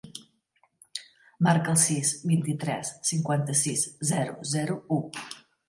Marca el sis, vint-i-tres, cinquanta-sis, zero, zero, u.